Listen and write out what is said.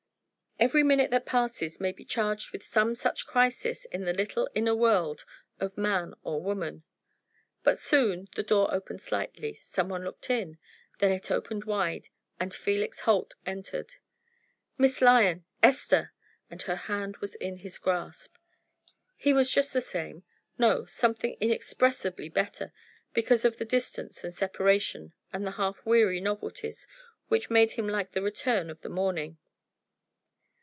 Every minute that passes may be charged with some such crisis in the little inner world of man or woman. But soon the door opened slightly; someone looked in; then it opened wide, and Felix Holt entered. "Miss Lyon Esther!" and her hand was in his grasp. He was just the same no, something inexpressibly better, because of the distance and separation, and the half weary novelties, which made him like the return of the morning.